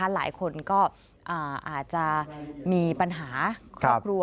หลายคนก็อาจจะมีปัญหาครอบครัว